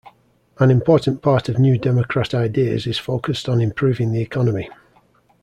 An important part of New Democrat ideas is focused on improving the economy.